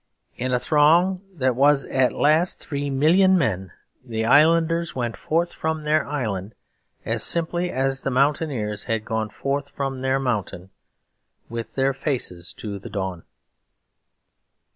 In a throng that was at last three million men, the islanders went forth from their island, as simply as the mountaineers had gone forth from their mountain, with their faces to the dawn.